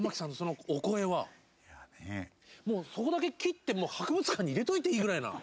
そこだけ切ってもう博物館に入れておいていいぐらいな。